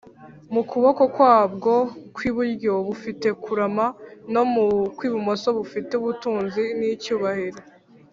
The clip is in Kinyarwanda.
mu kuboko kwabwo kw’iburyo bufite kurama; no mu kw’ibumoso bufite ubutunzi n’icyubahiro.